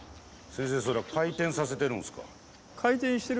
先生それは回転させてるんですか？